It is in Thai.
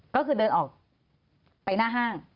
ก็คือเดินออกไปหน้าห้าง